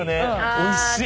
おいしい。